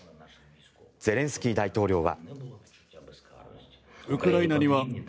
ゼレンスキー大統領は。